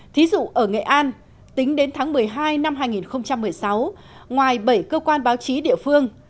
thí dụ ở nghệ an tính đến tháng một mươi hai năm hai nghìn một mươi sáu ngoài bảy cơ quan báo chí địa phương